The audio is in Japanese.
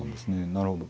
なるほど。